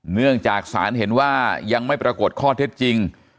เนื่องจากศาลเห็นว่ายังไม่ปรากฏข้อเท็จจริง